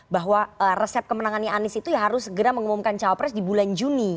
bahwa resep kemenangannya anies itu ya harus segera mengumumkan cawapres di bulan juni